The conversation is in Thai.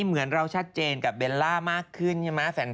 เหมือนเราชัดเจนกับเบลล่ามากขึ้นใช่ไหม